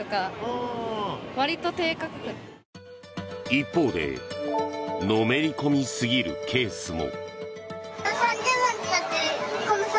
一方でのめり込みすぎるケースも。